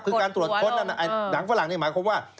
คือการตรวจค้นหนังฝรั่งนี่หมายความว่า